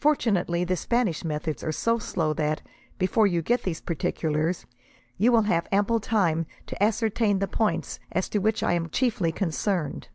Fortunately, the Spanish methods are so slow that, before you get these particulars, you will have ample time to ascertain the points as to which I am chiefly concerned.